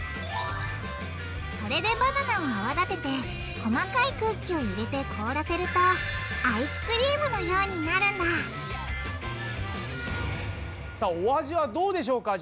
それでバナナを泡だてて細かい空気を入れて凍らせるとアイスクリームのようになるんださあお味はどうでしょうか？